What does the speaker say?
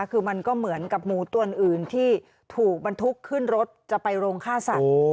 คือมันก็เหมือนกับหมูตัวอื่นที่ถูกบรรทุกขึ้นรถจะไปโรงฆ่าสัตว์